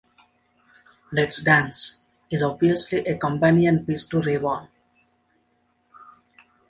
"Let's Dance" is obviously a companion-piece to "Rave On!